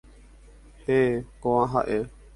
Héẽ, kóva ha'e